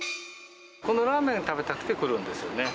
このラーメンが食べたくて来るんですよね。